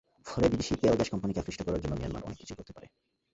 ফলে বিদেশি তেল-গ্যাস কোম্পানিকে আকৃষ্ট করার জন্য মিয়ানমার অনেক কিছুই করতে পারে।